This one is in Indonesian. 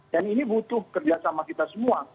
dan ini butuh kerjasama kita semua